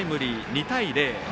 ２対０。